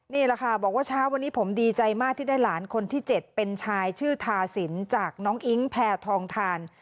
นี่แหละค่ะบอกว่าเช้าวันนี้ผมดีใจมากที่ได้หลานคนที่๗เป็นชายชื่อทาสินจากน้องอิ๊งแพทองทาน